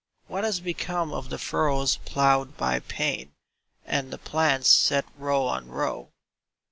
What has become of the furrows ploughed by pain, And the plants set row on row